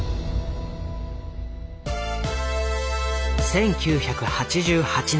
１９８８年。